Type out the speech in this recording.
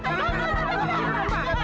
kau doangnya gue